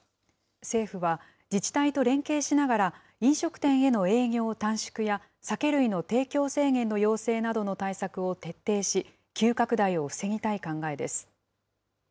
政府は、自治体と連携しながら飲食店への営業短縮や、酒類の提供制限の要請などの対策を徹底し、急拡大を防ぎたい考えです。